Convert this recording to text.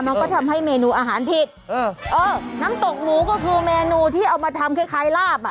มันก็ทำให้เมนูอาหารผิดเออเออน้ำตกหมูก็คือเมนูที่เอามาทำคล้ายคล้ายลาบอ่ะ